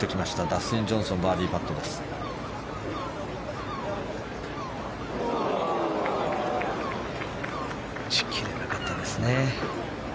打ち切れなかったですね。